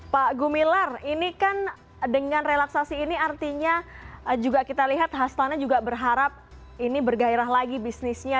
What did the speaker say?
pak gumilar ini kan dengan relaksasi ini artinya juga kita lihat hastana juga berharap ini bergairah lagi bisnisnya